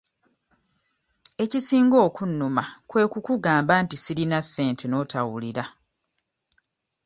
Ekisinga okunnuma kwe kukugamba nti sirina ssente n'otawulira.